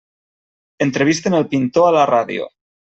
Entrevisten el pintor a la ràdio.